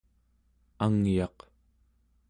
angyaq